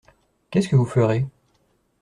Qu’est-ce que vous ferez ?